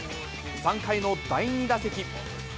３回の第２打席。